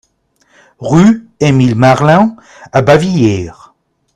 Rue Émile Marlin à Bavilliers